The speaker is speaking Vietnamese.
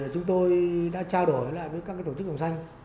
chúng tôi đã trao đổi lại với các tổ chức đồng sanh